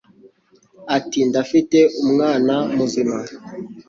Ati: ndafite umwana muzima